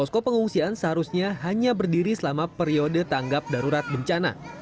komando komando ini hanya berdiri selama periode tanggap darurat bencana